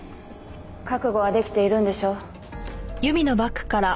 覚悟はできているんでしょ？